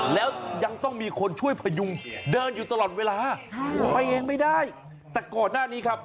แล้วยังต้องมีคนช่วยพยุงเดินอยู่ตลอดเวลาไปเองไม่ได้แต่ก่อนหน้านี้ครับ